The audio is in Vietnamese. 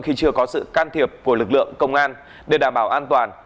khi chưa có sự can thiệp của lực lượng công an để đảm bảo an toàn